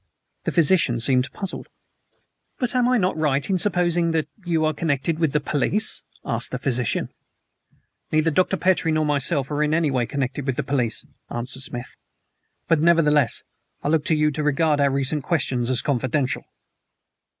The physician seemed puzzled. "But am I not right in supposing that you are connected with the police?" asked the physician. "Neither Dr. Petrie nor myself are in any way connected with the police," answered Smith. "But, nevertheless, I look to you to regard our recent questions as confidential."